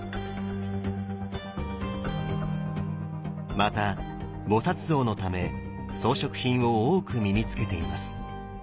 また菩像のため装飾品を多く身に着けています。